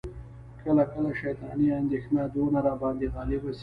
کله کله شیطاني اندیښنه دونه را باندي غالبه سي،